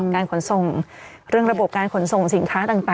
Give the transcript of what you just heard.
การขนส่งเรื่องระบบการขนส่งสินค้าต่าง